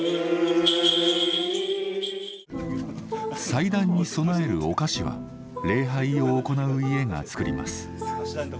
祭壇に供えるお菓子は礼拝を行う家が作ります。